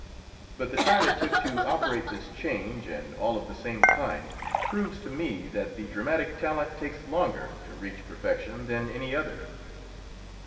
But the time it took to operate this change, and all of the same kind, proves to me that the dramatic talent takes longer to reach perfection than any other.